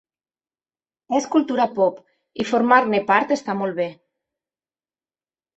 És cultura pop i formar-ne part està molt bé.